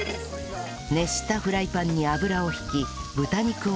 熱したフライパンに油を引き豚肉を焼きます